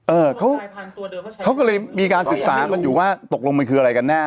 เออเขาก็เลยมีการศึกษากันอยู่ว่าตกลงมันคืออะไรกันแน่